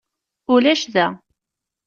Ulac da.